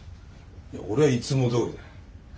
いや俺はいつもどおりだ。